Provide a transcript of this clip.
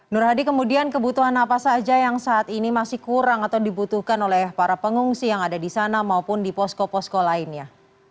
nur hadi kemudian kebutuhan apa saja yang saat ini masih kurang atau dibutuhkan oleh para pengungsi yang ada di sana maupun di posko posko lainnya